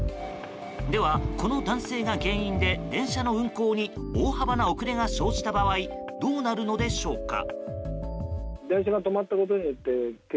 では、この男性が原因で電車の運行に大幅な遅れが生じた場合どうなるのでしょうか。